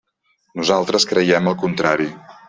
Nosaltres creiem el contrari.